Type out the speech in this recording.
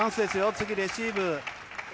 次、レシーブ。